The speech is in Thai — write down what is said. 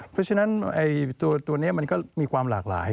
เพราะฉะนั้นตัวนี้มันก็มีความหลากหลาย